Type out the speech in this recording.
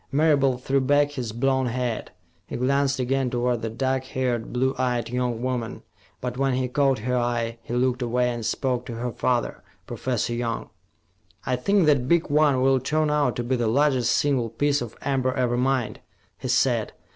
Marable threw back his blond head. He glanced again toward the dark haired, blue eyed young woman, but when he caught her eye, he looked away and spoke to her father, Professor Young. "I think that big one will turn out to be the largest single piece of amber ever mined," he said.